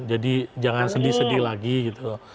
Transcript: jadi jangan sedih sedih lagi gitu